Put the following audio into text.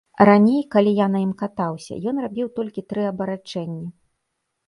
Раней, калі я на ім катаўся, ён рабіў толькі тры абарачэнні.